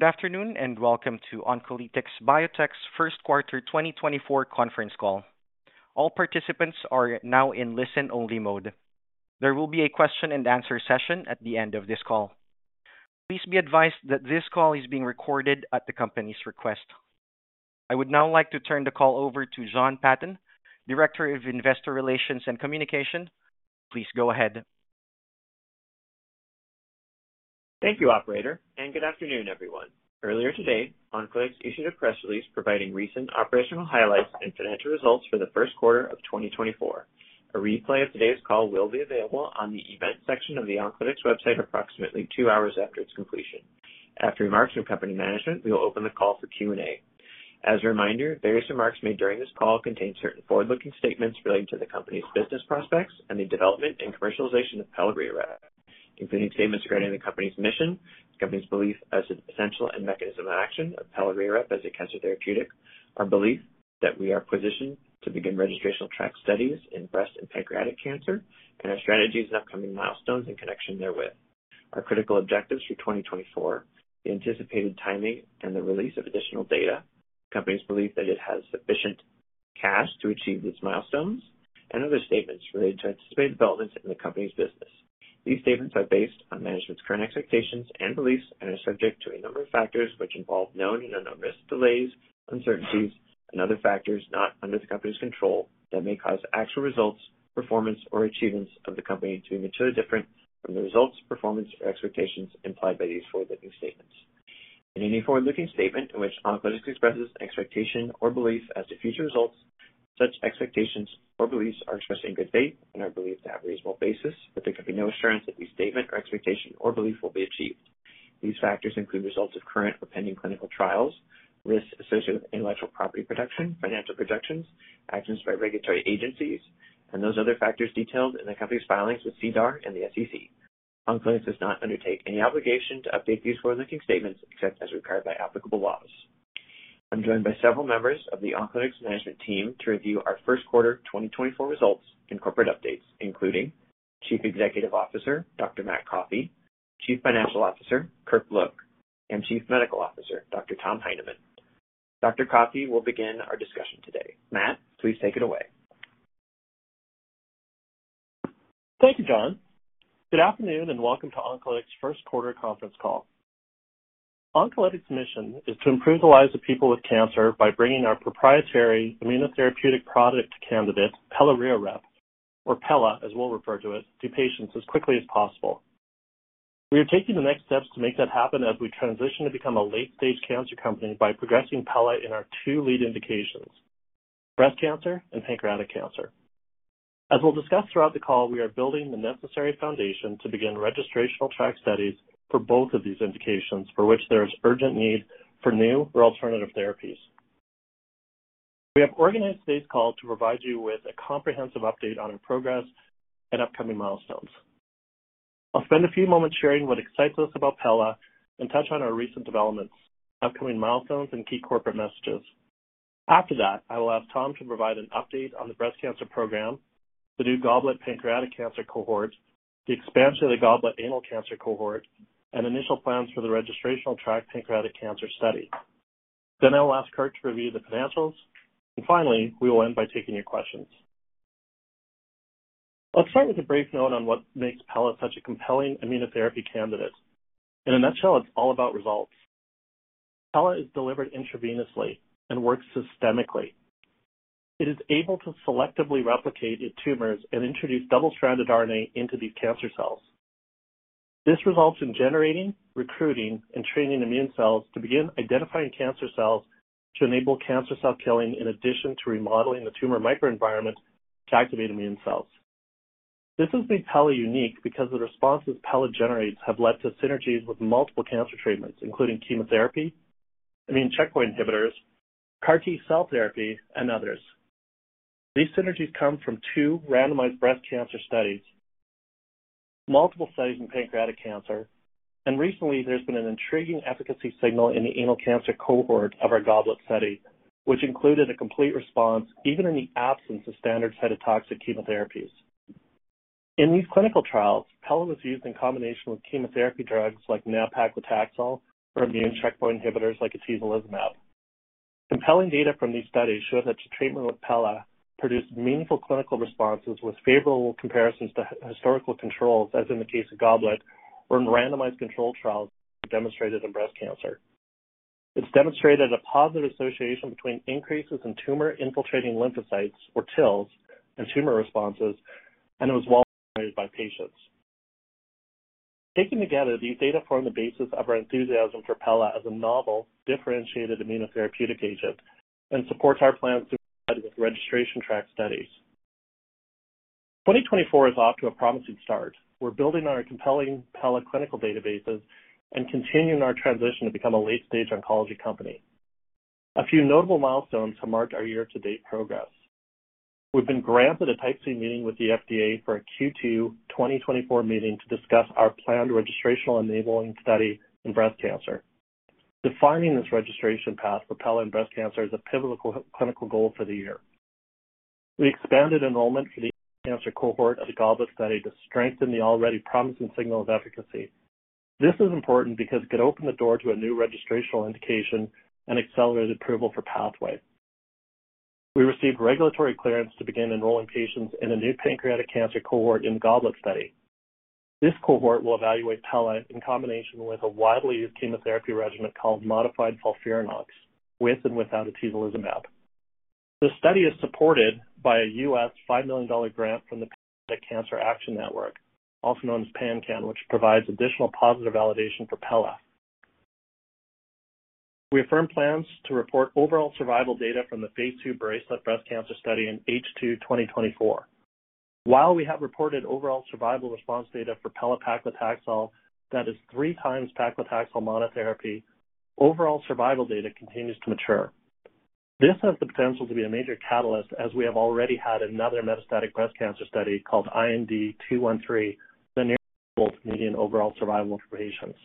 Good afternoon and welcome to Oncolytics Biotech's first quarter 2024 conference call. All participants are now in listen-only mode. There will be a question-and-answer session at the end of this call. Please be advised that this call is being recorded at the company's request. I would now like to turn the call over to Jon Patton, Director of Investor Relations and Communication. Please go ahead. Thank you, Operator, and good afternoon, everyone. Earlier today, Oncolytics issued a press release providing recent operational highlights and financial results for the first quarter of 2024. A replay of today's call will be available on the event section of the Oncolytics website approximately two hours after its completion. After remarks from company management, we will open the call for Q&A. As a reminder, various remarks made during this call contain certain forward-looking statements relating to the company's business prospects and the development and commercialization of pelareorep, including statements regarding the company's mission, the company's belief as to the potential and mechanism of action of pelareorep as a cancer therapeutic, our belief that we are positioned to begin registration track studies in breast and pancreatic cancer, and our strategies and upcoming milestones in connection therewith, our critical objectives for 2024, the anticipated timing and the release of additional data, the company's belief that it has sufficient cash to achieve its milestones, and other statements related to anticipated developments in the company's business. These statements are based on management's current expectations and beliefs and are subject to a number of factors which involve known and unknown risks, delays, uncertainties, and other factors not under the company's control that may cause actual results, performance, or achievements of the company to be materially different from the results, performance, or expectations implied by these forward-looking statements. In any forward-looking statement in which Oncolytics expresses an expectation or belief as to future results, such expectations or beliefs are expressed in good faith and are believed to have a reasonable basis, but there can be no assurance that these statements or expectations or beliefs will be achieved. These factors include results of current or pending clinical trials, risks associated with intellectual property protection financial projections, actions by regulatory agencies, and those other factors detailed in the company's filings with SEDAR and the SEC. Oncolytics does not undertake any obligation to update these forward-looking statements except as required by applicable laws. I'm joined by several members of the Oncolytics management team to review our first quarter 2024 results and corporate updates, including Chief Executive Officer Dr. Matt Coffey, Chief Financial Officer Kirk Look, and Chief Medical Officer Dr. Tom Heineman. Dr. Coffey will begin our discussion today. Matt, please take it away. Thank you, Jon. Good afternoon and welcome to Oncolytics' first quarter conference call. Oncolytics' mission is to improve the lives of people with cancer by bringing our proprietary immunotherapeutic product candidate, pelareorep, or Pella as we'll refer to it, to patients as quickly as possible. We are taking the next steps to make that happen as we transition to become a late-stage cancer company by progressing Pella in our two lead indications, breast cancer and pancreatic cancer. As we'll discuss throughout the call, we are building the necessary foundation to begin registration track studies for both of these indications for which there is urgent need for new or alternative therapies. We have organized today's call to provide you with a comprehensive update on our progress and upcoming milestones. I'll spend a few moments sharing what excites us about pelareorep and touch on our recent developments, upcoming milestones, and key corporate messages. After that, I will ask Tom to provide an update on the breast cancer program, the new GOBLET pancreatic cancer cohort, the expansion of the GOBLET anal cancer cohort, and initial plans for the registration track pancreatic cancer study. Then I will ask Kirk to review the financials. And finally, we will end by taking your questions. Let's start with a brief note on what makes pelareorep such a compelling immunotherapy candidate. In a nutshell, it's all about results. Pelareorep is delivered intravenously and works systemically. It is able to selectively replicate in tumors and introduce double-stranded RNA into these cancer cells. This results in generating, recruiting, and training immune cells to begin identifying cancer cells to enable cancer cell killing in addition to remodeling the tumor microenvironment to activate immune cells. This has made pelareorep unique because the responses pelareorep generates have led to synergies with multiple cancer treatments, including chemotherapy, immune checkpoint inhibitors, CAR-T cell therapy, and others. These synergies come from two randomized breast cancer studies, multiple studies in pancreatic cancer, and recently, there's been an intriguing efficacy signal in the anal cancer cohort of our GOBLET study, which included a complete response even in the absence of standard cytotoxic chemotherapies. In these clinical trials, pelareorep was used in combination with chemotherapy drugs like nab-paclitaxel or immune checkpoint inhibitors like atezolizumab. Compelling data from these studies show that the treatment with pelareorep produced meaningful clinical responses with favorable comparisons to historical controls, as in the case of GOBLET or in randomized control trials demonstrated in breast cancer. It's demonstrated a positive association between increases in tumor-infiltrating lymphocytes, or TILs, and tumor responses, and it was well-accommodated by patients. Taken together, these data form the basis of our enthusiasm for pelareorep as a novel, differentiated immunotherapeutic agent and supports our plans to provide with registration track studies. 2024 is off to a promising start. We're building on our compelling pelareorep clinical databases and continuing our transition to become a late-stage oncology company. A few notable milestones have marked our year-to-date progress. We've been granted a Type C meeting with the FDA for a Q2 2024 meeting to discuss our planned registration-enabling study in breast cancer. Defining this registration path for pelareorep in breast cancer is a pivotal clinical goal for the year. We expanded enrollment for the cancer cohort of the GOBLET study to strengthen the already promising signal of efficacy. This is important because it could open the door to a new registration indication and accelerate approval for pelareorep. We received regulatory clearance to begin enrolling patients in a new pancreatic cancer cohort in the GOBLET study. This cohort will evaluate pelareorep in combination with a widely used chemotherapy regimen called modified FOLFIRINOX with and without atezolizumab. This study is supported by a $5 million grant from the Pancreatic Cancer Action Network, also known as PanCAN, which provides additional positive validation for pelareorep. We affirm plans to report overall survival data from the phase II BRACELET breast cancer study in H2 2024. While we have reported overall survival response data for pelareorep/paclitaxel that is 3 times paclitaxel monotherapy, overall survival data continues to mature. This has the potential to be a major catalyst as we have already had another metastatic breast cancer study called IND-213 that neared the goal of median overall survival for patients.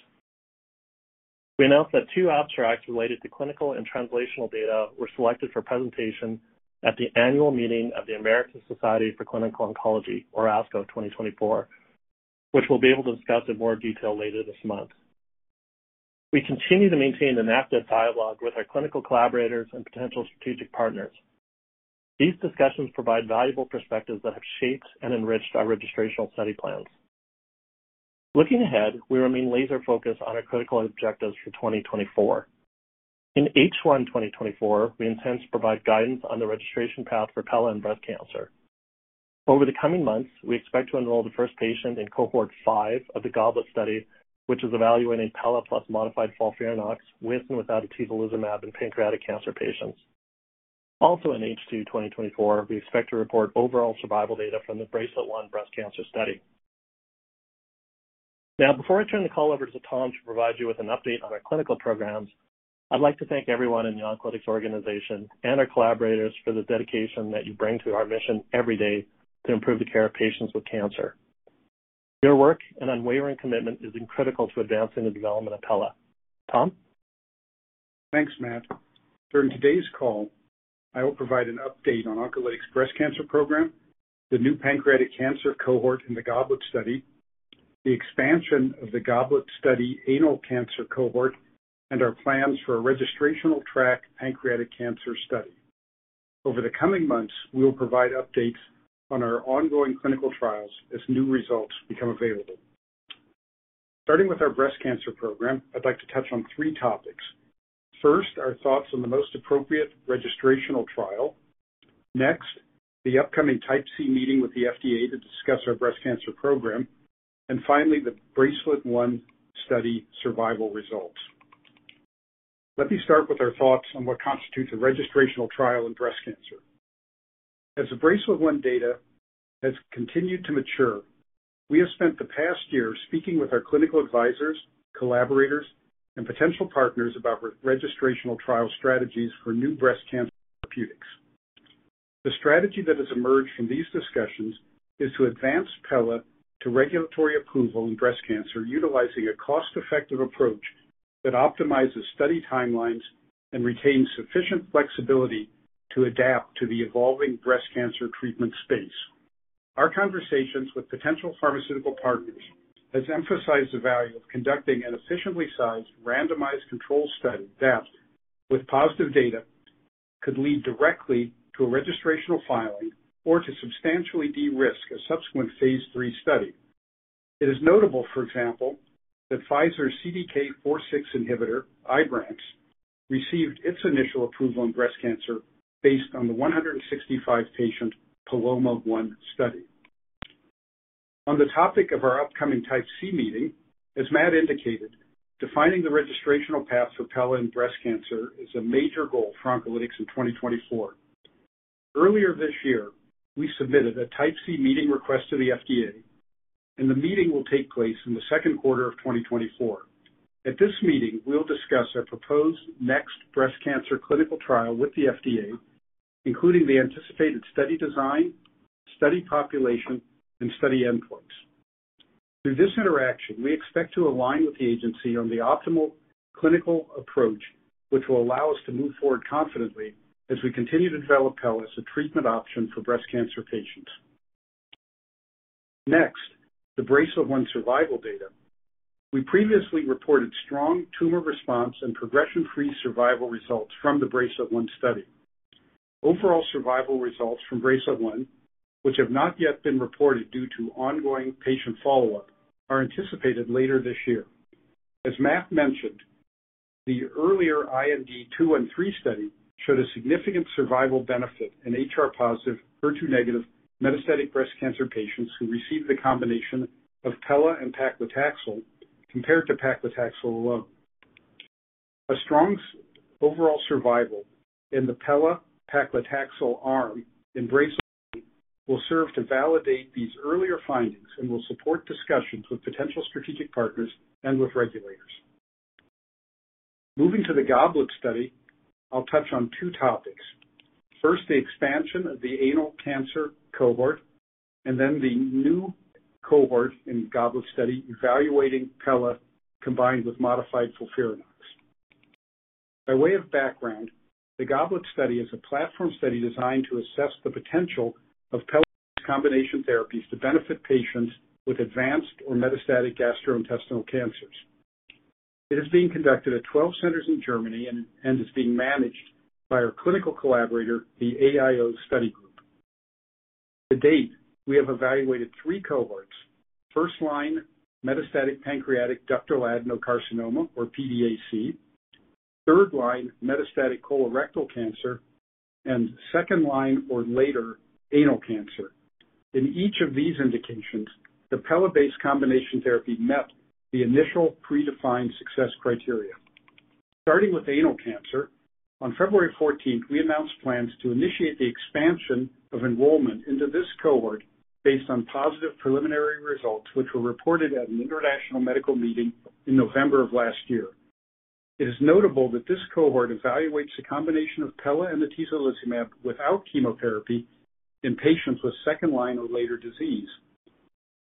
We announced that 2 abstracts related to clinical and translational data were selected for presentation at the annual meeting of the American Society for Clinical Oncology, or ASCO 2024, which we'll be able to discuss in more detail later this month. We continue to maintain an active dialogue with our clinical collaborators and potential strategic partners. These discussions provide valuable perspectives that have shaped and enriched our registration study plans. Looking ahead, we remain laser-focused on our critical objectives for 2024. In H1 2024, we intend to provide guidance on the registration path for pelareorep in breast cancer. Over the coming months, we expect to enroll the first patient in cohort 5 of the GOBLET study, which is evaluating pelareorep plus modified FOLFIRINOX with and without atezolizumab in pancreatic cancer patients. Also in H2 2024, we expect to report overall survival data from the BRACELET-1 breast cancer study. Now, before I turn the call over to Tom to provide you with an update on our clinical programs, I'd like to thank everyone in the Oncolytics organization and our collaborators for the dedication that you bring to our mission every day to improve the care of patients with cancer. Your work and unwavering commitment is critical to advancing the development of pelareorep. Tom? Thanks, Matt. During today's call, I will provide an update on Oncolytics' breast cancer program, the new pancreatic cancer cohort in the GOBLET study, the expansion of the GOBLET study anal cancer cohort, and our plans for a registration track pancreatic cancer study. Over the coming months, we will provide updates on our ongoing clinical trials as new results become available. Starting with our breast cancer program, I'd like to touch on three topics. First, our thoughts on the most appropriate registration trial. Next, the upcoming Type C meeting with the FDA to discuss our breast cancer program. And finally, the BRACELET-1 study survival results. Let me start with our thoughts on what constitutes a registration trial in breast cancer. As the BRACELET-1 data has continued to mature, we have spent the past year speaking with our clinical advisors, collaborators, and potential partners about registration trial strategies for new breast cancer therapeutics. The strategy that has emerged from these discussions is to advance pelareorep to regulatory approval in breast cancer utilizing a cost-effective approach that optimizes study timelines and retains sufficient flexibility to adapt to the evolving breast cancer treatment space. Our conversations with potential pharmaceutical partners have emphasized the value of conducting an efficiently sized, randomized control study that, with positive data, could lead directly to a registration filing or to substantially de-risk a subsequent phase III study. It is notable, for example, that Pfizer's CDK4/6 inhibitor, Ibrance, received its initial approval in breast cancer based on the 165-patient PALOMA-1 study. On the topic of our upcoming Type C meeting, as Matt indicated, defining the registration path for pelareorep in breast cancer is a major goal for Oncolytics in 2024. Earlier this year, we submitted a Type C meeting request to the FDA, and the meeting will take place in the second quarter of 2024. At this meeting, we'll discuss our proposed next breast cancer clinical trial with the FDA, including the anticipated study design, study population, and study endpoints. Through this interaction, we expect to align with the agency on the optimal clinical approach, which will allow us to move forward confidently as we continue to develop pelareorep as a treatment option for breast cancer patients. Next, the BRACELET-1 survival data. We previously reported strong tumor response and progression-free survival results from the BRACELET-1 study. Overall survival results from BRACELET-1, which have not yet been reported due to ongoing patient follow-up, are anticipated later this year. As Matt mentioned, the earlier IND-213 study showed a significant survival benefit in HR-positive, HER2- metastatic breast cancer patients who received the combination of pelareorep and paclitaxel compared to paclitaxel alone. A strong overall survival in the pelareorep/paclitaxel arm in BRACELET-1 will serve to validate these earlier findings and will support discussions with potential strategic partners and with regulators. Moving to the GOBLET study, I'll touch on two topics. First, the expansion of the anal cancer cohort, and then the new cohort in the GOBLET study evaluating pelareorep combined with modified FOLFIRINOX. By way of background, the GOBLET study is a platform study designed to assess the potential of pelareorep combination therapies to benefit patients with advanced or metastatic gastrointestinal cancers. It is being conducted at 12 centers in Germany and is being managed by our clinical collaborator, the AIO Study Group. To date, we have evaluated three cohorts: first line, metastatic pancreatic ductal adenocarcinoma, or PDAC, third line, metastatic colorectal cancer, and second line or later, anal cancer. In each of these indications, the pelareorep-based combination therapy met the initial predefined success criteria. Starting with anal cancer, on February 14th, we announced plans to initiate the expansion of enrollment into this cohort based on positive preliminary results, which were reported at an International Medical Meeting in November of last year. It is notable that this cohort evaluates the combination of pelareorep and atezolizumab without chemotherapy in patients with second line or later disease.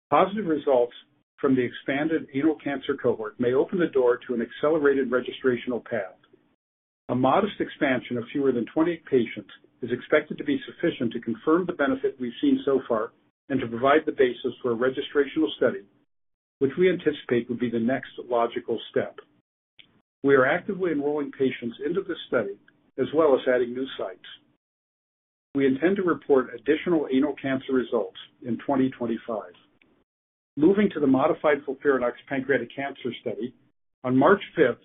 Positive results from the expanded anal cancer cohort may open the door to an accelerated registration path. A modest expansion of fewer than 20 patients is expected to be sufficient to confirm the benefit we've seen so far and to provide the basis for a registration study, which we anticipate would be the next logical step. We are actively enrolling patients into this study as well as adding new sites. We intend to report additional anal cancer results in 2025. Moving to the modified FOLFIRINOX pancreatic cancer study, on March 5th,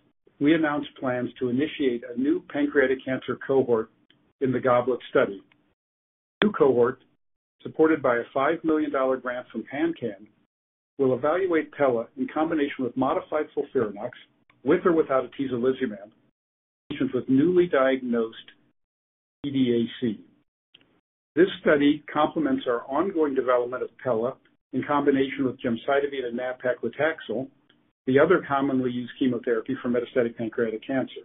we announced plans to initiate a new pancreatic cancer cohort in the GOBLET study. The new cohort, supported by a $5 million grant from PanCAN, will evaluate pelareorep in combination with modified FOLFIRINOX with or without atezolizumab in patients with newly diagnosed PDAC. This study complements our ongoing development of pelareorep in combination with gemcitabine and nab-paclitaxel, the other commonly used chemotherapy for metastatic pancreatic cancer.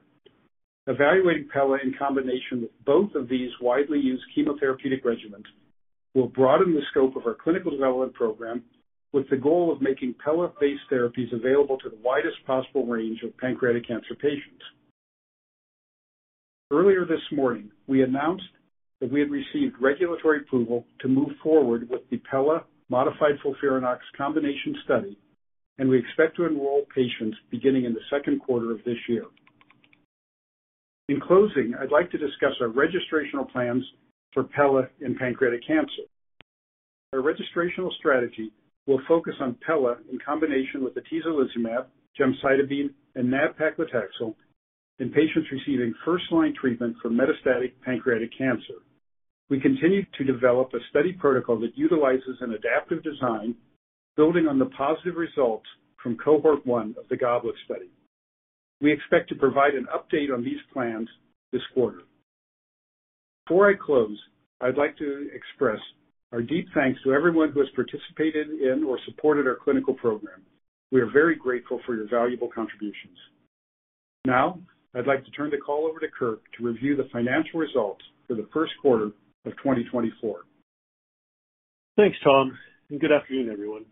Evaluating pelareorep in combination with both of these widely used chemotherapeutic regimens will broaden the scope of our clinical development program with the goal of making pelareorep-based therapies available to the widest possible range of pancreatic cancer patients. Earlier this morning, we announced that we had received regulatory approval to move forward with the pelareorep modified FOLFIRINOX combination study, and we expect to enroll patients beginning in the second quarter of this year. In closing, I'd like to discuss our registration plans for pelareorep in pancreatic cancer. Our registration strategy will focus on pelareorep in combination with atezolizumab, gemcitabine, and nab-paclitaxel in patients receiving first-line treatment for metastatic pancreatic cancer. We continue to develop a study protocol that utilizes an adaptive design building on the positive results from Cohort 1 of the GOBLET study. We expect to provide an update on these plans this quarter. Before I close, I'd like to express our deep thanks to everyone who has participated in or supported our clinical program. We are very grateful for your valuable contributions. Now, I'd like to turn the call over to Kirk to review the financial results for the first quarter of 2024. Thanks, Tom. And good afternoon, everyone.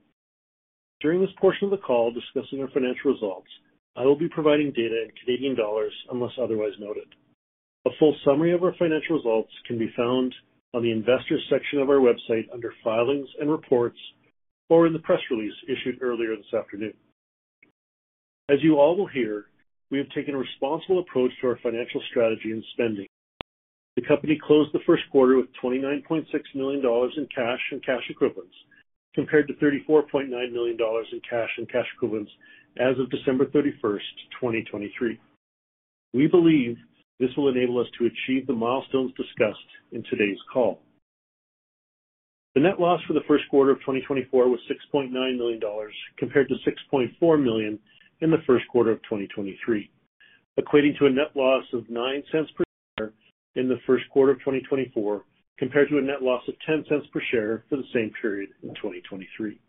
During this portion of the call discussing our financial results, I will be providing data in Canadian dollars unless otherwise noted. A full summary of our financial results can be found on the investors section of our website under filings and reports or in the press release issued earlier this afternoon. As you all will hear, we have taken a responsible approach to our financial strategy and spending. The company closed the first quarter with 29.6 million dollars in cash and cash equivalents compared to 34.9 million dollars in cash and cash equivalents as of December 31st, 2023. We believe this will enable us to achieve the milestones discussed in today's call. The net loss for the first quarter of 2024 was 6.9 million dollars compared to 6.4 million in the first quarter of 2023, equating to a net loss of 0.09 per share in the first quarter of 2024 compared to a net loss of 0.10 per share for the same period in 2023.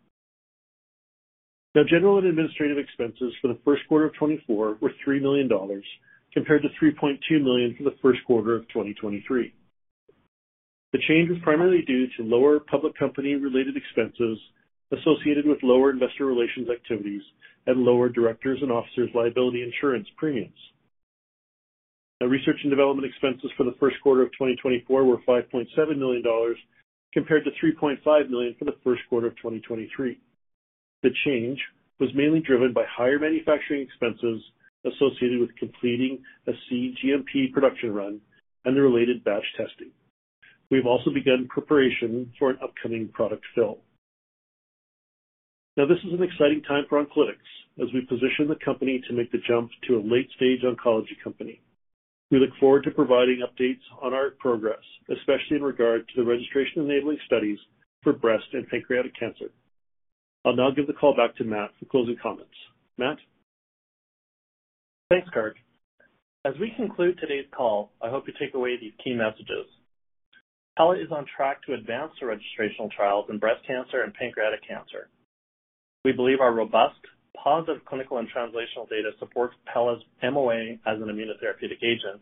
Now, general and administrative expenses for the first quarter of 2024 were 3 million dollars compared to 3.2 million for the first quarter of 2023. The change was primarily due to lower public company-related expenses associated with lower investor relations activities and lower directors and officers' liability insurance premiums. Now, research and development expenses for the first quarter of 2024 were 5.7 million dollars compared to 3.5 million for the first quarter of 2023. The change was mainly driven by higher manufacturing expenses associated with completing a cGMP production run and the related batch testing. We have also begun preparation for an upcoming product fill. Now, this is an exciting time for Oncolytics as we position the company to make the jump to a late-stage oncology company. We look forward to providing updates on our progress, especially in regard to the registration-enabling studies for breast and pancreatic cancer. I'll now give the call back to Matt for closing comments. Matt? Thanks, Kirk. As we conclude today's call, I hope you take away these key messages. pelareorep is on track to advance the registration trials in breast cancer and pancreatic cancer. We believe our robust, positive clinical and translational data supports pelareorep's MOA as an immunotherapeutic agent.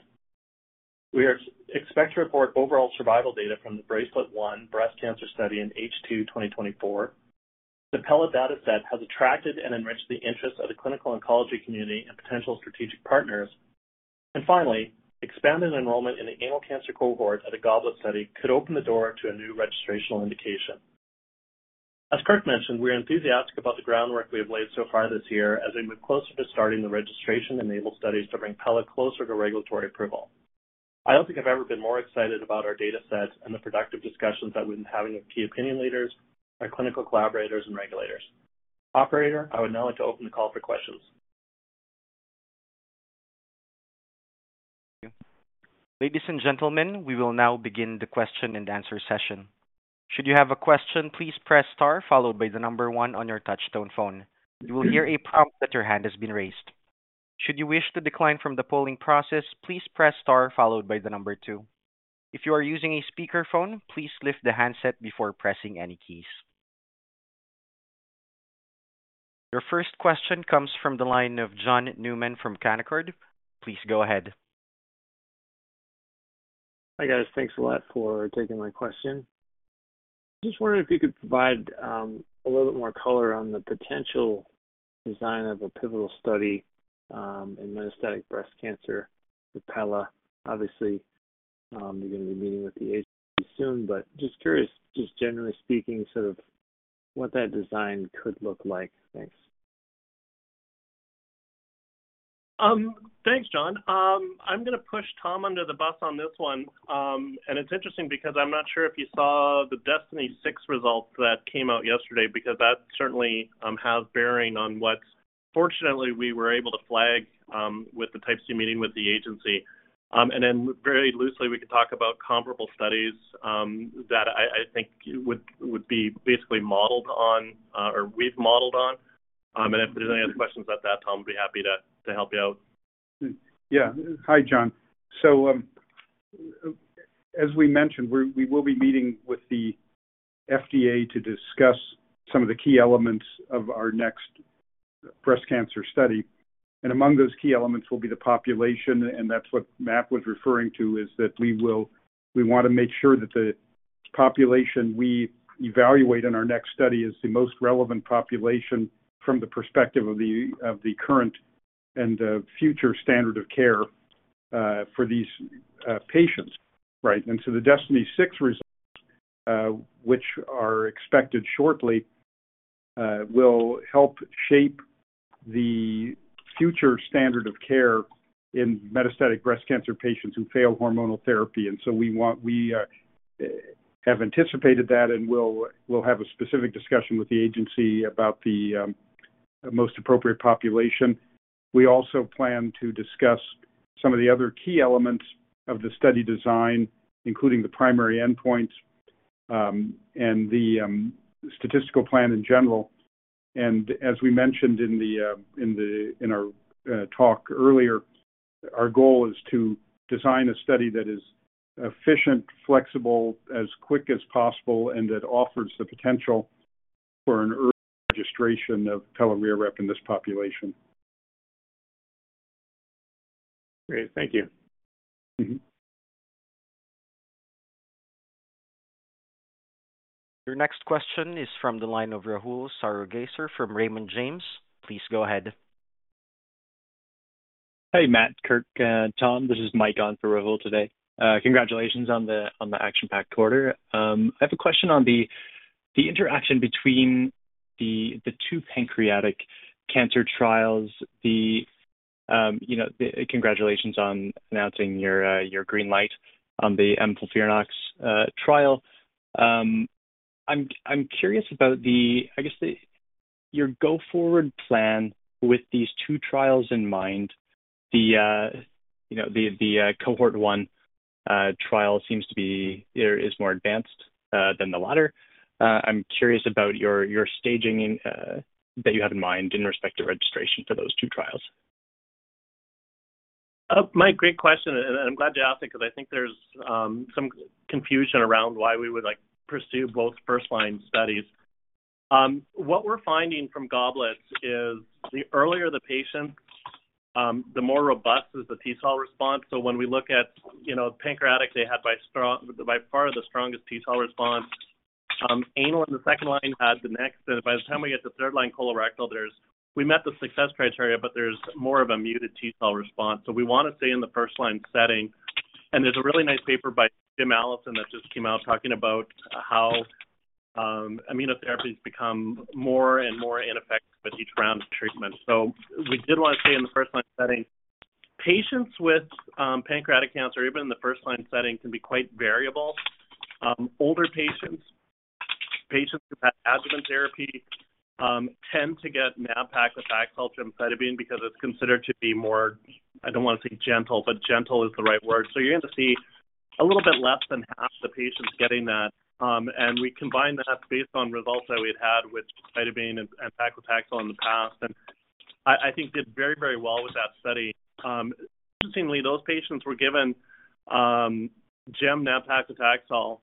We expect to report overall survival data from the BRACELET-1 breast cancer study in H2 2024. The pelareorep dataset has attracted and enriched the interest of the clinical oncology community and potential strategic partners. And finally, expanded enrollment in the anal cancer cohort at the GOBLET study could open the door to a new registration indication. As Kirk mentioned, we are enthusiastic about the groundwork we have laid so far this year as we move closer to starting the registration-enabled studies to bring pelareorep closer to regulatory approval. I don't think I've ever been more excited about our dataset and the productive discussions that we've been having with key opinion leaders, our clinical collaborators, and regulators. Operator, I would now like to open the call for questions. Ladies and gentlemen, we will now begin the question and answer session. Should you have a question, please press star followed by the number 1 on your touch-tone phone. You will hear a prompt that your hand has been raised. Should you wish to decline from the polling process, please press star followed by the number 2. If you are using a speakerphone, please lift the handset before pressing any keys. Your first question comes from the line of John Newman from Canaccord. Please go ahead. Hi guys. Thanks a lot for taking my question. I just wondered if you could provide a little bit more color on the potential design of a pivotal study in metastatic breast cancer with pelareorep. Obviously, you're going to be meeting with the agency soon, but just curious, just generally speaking, sort of what that design could look like. Thanks. Thanks, John. I'm going to push Tom under the bus on this one. And it's interesting because I'm not sure if you saw the Destiny 6 results that came out yesterday because that certainly has bearing on what, fortunately, we were able to flag with the Type C meeting with the agency. And then very loosely, we could talk about comparable studies that I think would be basically modeled on or we've modeled on. And if there's any other questions at that time, I'd be happy to help you out. Yeah. Hi John. So as we mentioned, we will be meeting with the FDA to discuss some of the key elements of our next breast cancer study. And among those key elements will be the population. And that's what Matt was referring to, is that we want to make sure that the population we evaluate in our next study is the most relevant population from the perspective of the current and future standard of care for these patients, right? And so the Destiny 6 results, which are expected shortly, will help shape the future standard of care in metastatic breast cancer patients who fail hormonal therapy. And so we have anticipated that and will have a specific discussion with the agency about the most appropriate population. We also plan to discuss some of the other key elements of the study design, including the primary endpoints and the statistical plan in general. As we mentioned in our talk earlier, our goal is to design a study that is efficient, flexible, as quick as possible, and that offers the potential for an early registration of pelareorep in this population. Great. Thank you. Your next question is from the line of Rahul Sarugaser from Raymond James. Please go ahead. Hey Matt, Kirk, Tom. This is Mike on for Rahul today. Congratulations on the action-packed quarter. I have a question on the interaction between the two pancreatic cancer trials. Congratulations on announcing your green light on the mFOLFIRINOX trial. I'm curious about, I guess, your go-forward plan with these two trials in mind. The cohort I trial seems to be more advanced than the latter. I'm curious about your staging that you have in mind in respect to registration for those two trials. Mike, great question. And I'm glad you asked it because I think there's some confusion around why we would pursue both first-line studies. What we're finding from GOBLET is the earlier the patient, the more robust is the T-cell response. So when we look at pancreatic, they had by far the strongest T-cell response. Anal in the second-line had the next. And by the time we get to third-line colorectal, we met the success criteria, but there's more of a muted T-cell response. So we want to stay in the first-line setting. And there's a really nice paper by Jim Allison that just came out talking about how immunotherapies become more and more ineffective with each round of treatment. So we did want to stay in the first-line setting. Patients with pancreatic cancer, even in the first-line setting, can be quite variable. Older patients, patients who've had adjuvant therapy, tend to get nab-paclitaxel, gemcitabine, because it's considered to be more I don't want to say gentle, but gentle is the right word. So you're going to see a little bit less than half the patients getting that. And we combine that based on results that we'd had with gemcitabine and paclitaxel in the past and I think did very, very well with that study. Interestingly, those patients were given gem, nab-paclitaxel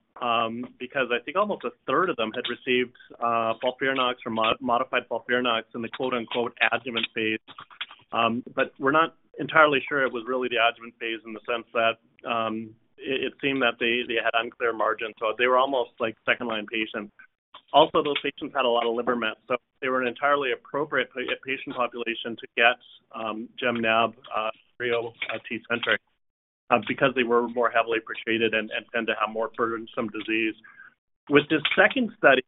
because I think almost a third of them had received FOLFIRINOX or modified FOLFIRINOX in the "adjuvant phase." But we're not entirely sure it was really the adjuvant phase in the sense that it seemed that they had unclear margins. So they were almost like second-line patients. Also, those patients had a lot of liver mets. So they were an entirely appropriate patient population to get gem, nab, Reolysin, Tecentriq because they were more heavily pretreated and tend to have more burdensome disease. With this second study,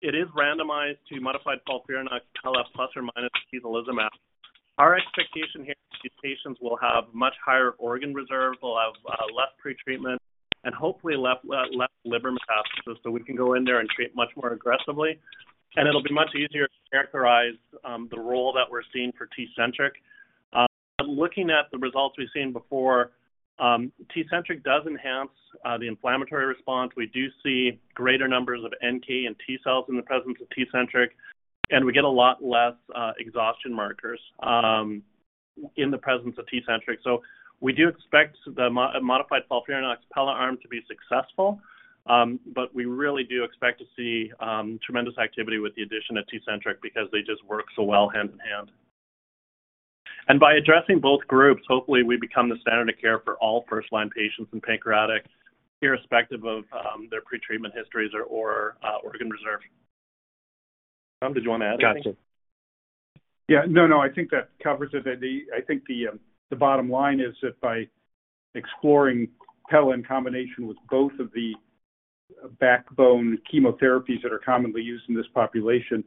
it is randomized to modified FOLFIRINOX, pelareorep plus or minus atezolizumab. Our expectation here is these patients will have much higher organ reserve, will have less pretreatment, and hopefully less liver metastasis. So we can go in there and treat much more aggressively. And it'll be much easier to characterize the role that we're seeing for Tecentriq. But looking at the results we've seen before, Tecentriq does enhance the inflammatory response. We do see greater numbers of NK and T cells in the presence of Tecentriq. And we get a lot less exhaustion markers in the presence of Tecentriq. So we do expect the modified FOLFIRINOX pelareorep arm to be successful. But we really do expect to see tremendous activity with the addition of Tecentriq because they just work so well hand in hand. And by addressing both groups, hopefully, we become the standard of care for all first-line patients in pancreatic, irrespective of their pretreatment histories or organ reserve. Tom, did you want to add anything? Gotcha. Yeah. No, no. I think that covers it. I think the bottom line is that by exploring pelareorep in combination with both of the backbone chemotherapies that are commonly used in this population,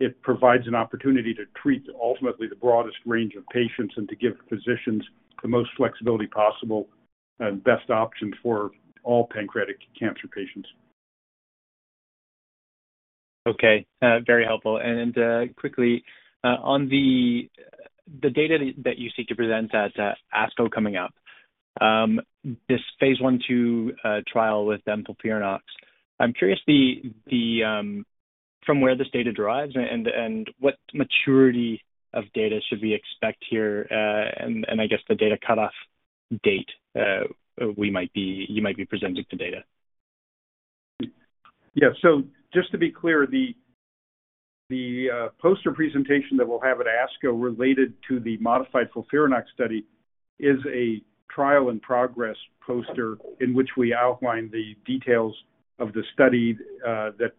it provides an opportunity to treat ultimately the broadest range of patients and to give physicians the most flexibility possible and best options for all pancreatic cancer patients. Okay. Very helpful. And quickly, on the data that you seek to present at ASCO coming up, this phase I/II trial with mFOLFIRINOX, I'm curious from where this data derives and what maturity of data should we expect here and I guess the data cutoff date you might be presenting the data? Yeah. So just to be clear, the poster presentation that we'll have at ASCO related to the modified FOLFIRINOX study is a trial-in-progress poster in which we outline the details of the study that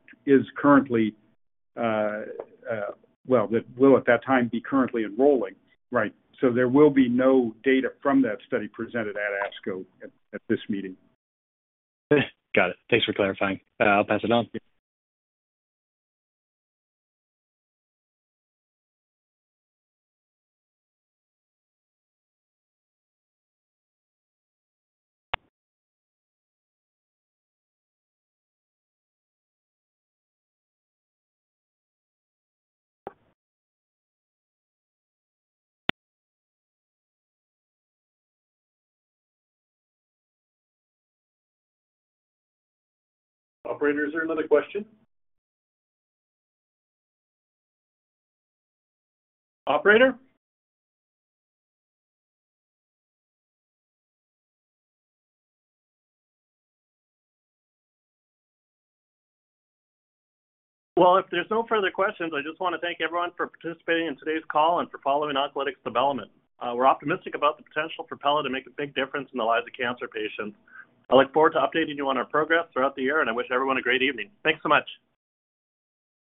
will at that time be currently enrolling, right? So there will be no data from that study presented at ASCO at this meeting. Got it. Thanks for clarifying. I'll pass it on. Operator, is there another question? Operator? Well, if there's no further questions, I just want to thank everyone for participating in today's call and for following Oncolytics development. We're optimistic about the potential for pelareorep to make a big difference in the lives of cancer patients. I look forward to updating you on our progress throughout the year, and I wish everyone a great evening. Thanks so much.